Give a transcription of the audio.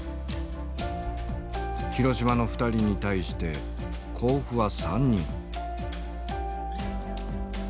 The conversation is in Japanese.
広島の２人に対して甲府は３人。